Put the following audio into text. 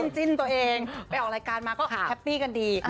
จิ้นตัวเองไปออกรายการมาก็แฮปปี้กันดี